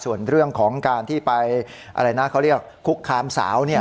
ส่วนเรื่องของการที่ไปคุกคามสาว